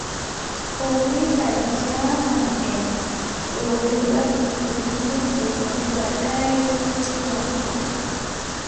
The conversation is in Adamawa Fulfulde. O wii kadi jaamanʼen ɗo ɓe mbaɗi duuɓi noy nde Goni Waɗaay lotti warugo ?